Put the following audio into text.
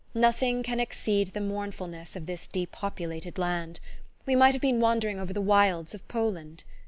Nothing can exceed the mournfulness of this depopulated land: we might have been wandering over the wilds of Poland.